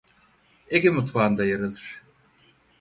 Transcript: Ege mutfağında yer alır.